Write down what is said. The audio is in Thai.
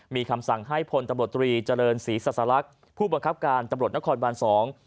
มีคำสั่งให้พลตำรวจตรีเจริญศรีสัสลักษณ์ผู้บังคับการตำรวจนครบานสอง